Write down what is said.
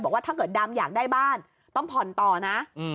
บอกว่าถ้าเกิดดำอยากได้บ้านต้องผ่อนต่อนะ